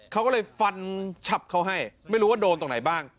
เขาก็เลยฟันฉับเขาให้ไม่รู้ว่าโดนตรงไหนบ้าง